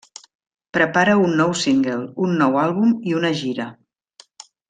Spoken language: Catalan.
Prepara un nou single, un nou àlbum i una gira.